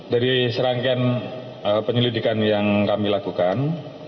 dari serangkaian penyelidikan yang kami lakukan